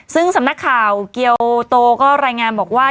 ซึ่งสำนักข่าวเกียวโตก็รายงานบอกว่า